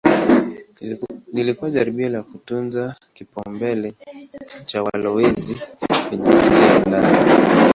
Lilikuwa jaribio la kutunza kipaumbele cha walowezi wenye asili ya Ulaya.